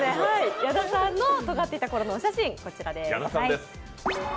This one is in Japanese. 矢田さんのとがっていたころのお写真、こちらです。